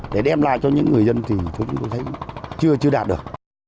để đem lại cho những người dân thì chúng tôi thấy chưa đạt được